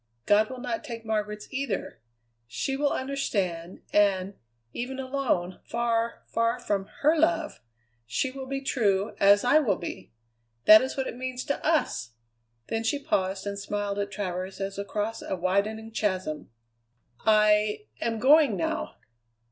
God will not take Margaret's either. She will understand, and, even alone, far, far from her love, she will be true, as I will be. That is what it means to us!" Then she paused and smiled at Travers as across a widening chasm. "I am going now!"